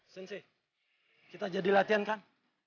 sensei kita jadi latihan kan